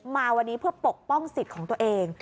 มาวันนี้เพื่อปกป้องสิทธิ์ของตัวเอง